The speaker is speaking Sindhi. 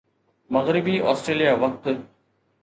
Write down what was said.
مغربي آسٽريليا وقت